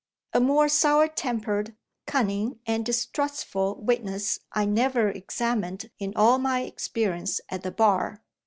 A more sour tempered, cunning, and distrustful witness I never examined in all my experience at the Bar.